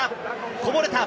こぼれた。